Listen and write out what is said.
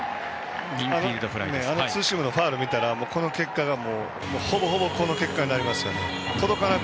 あのツーシームのファウルを見たらほぼほぼこの結果になりますね。